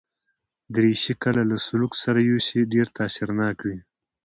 دریشي که له سلوکه سره یوسې، ډېر تاثیرناک وي.